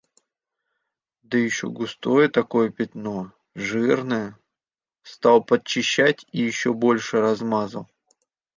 Да ещё густое такое пятно... жирное. Стал подчищать и ещё больше размазал.